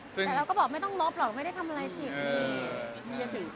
แต่เราก็บอกไม่ต้องลบหรอกไม่ได้ทำอะไรผิดนี่